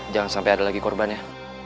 jangan sampai ada lagi korban ya